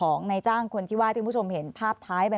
ในจ้างคนที่ว่าที่คุณผู้ชมเห็นภาพท้ายไป